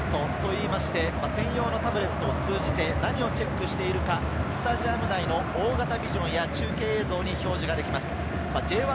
今シーズン、バーディクトと言いまして、専用のタブレットを通じて、何をチェックしているか、スタジアム内の大型ビジョンや中継映像に表示ができます。